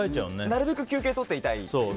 なるべく休憩をとっていたい。